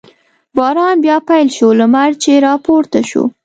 باران بیا پیل شو، لمر چې را پورته شو.